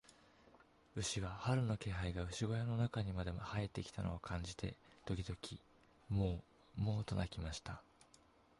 牛は、春の気配が牛小屋の中にまで入ってきたのを感じて、時々モウ、モウと鳴きました。